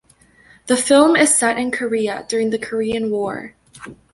The film is set in Korea during the Korean War.